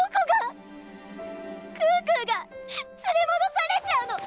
可可が連れ戻されちゃうの！